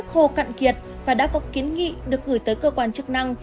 khô cạn kiệt và đã có kiến nghị được gửi tới cơ quan chức năng